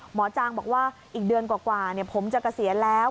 จางบอกว่าอีกเดือนกว่าผมจะเกษียณแล้ว